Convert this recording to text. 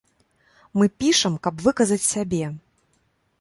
Мы пішам, каб выказаць сябе.